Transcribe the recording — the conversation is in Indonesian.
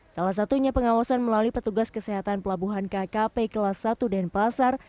salah satunya pengawasan melalui petugas kesehatan pelabuhan kkp kelas satu denpasar